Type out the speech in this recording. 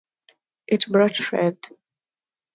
It bought Fred.